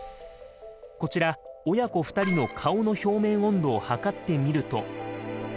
こちら親子２人の顔の表面温度を測ってみると。